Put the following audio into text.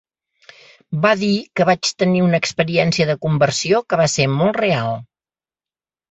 Va dir que vaig tenir una experiència de conversió que va ser molt real...